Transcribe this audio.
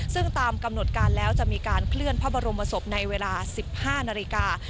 ซึ่งตามกำหนดการแล้วจะมีการเคลื่อนพระบรมศพในเวลา๑๕นาฬิกา